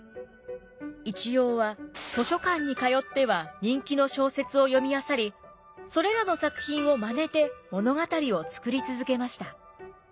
一葉は図書館に通っては人気の小説を読みあさりそれらの作品を真似て物語を作り続けました。